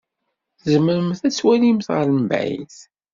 Tzemremt ad twalimt ɣer mebɛid?